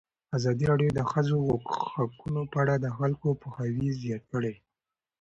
ازادي راډیو د د ښځو حقونه په اړه د خلکو پوهاوی زیات کړی.